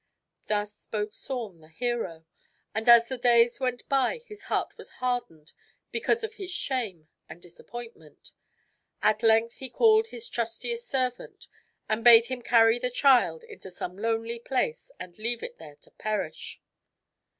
Thus spoke Saum, the hero ; and, as the days went by, his heart was hardened because of his shame and disappointment. At length he called his trustiest servant, and bade him carry the child into some lonely place and leave it there to perish.